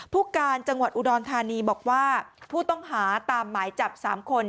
ผู้การจังหวัดอุดรธานีบอกว่าผู้ต้องหาตามหมายจับ๓คน